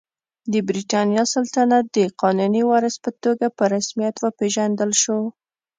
د برېټانیا سلطنت د قانوني وارث په توګه په رسمیت وپېژندل شو.